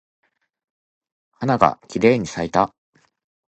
花がきれいに咲いた。